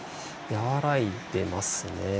和らいでいますね。